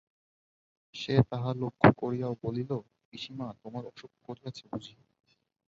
সে তাহা লক্ষ্য করিয়াও বলিল, পিসিমা, তোমার অসুখ করিয়াছে বুঝি?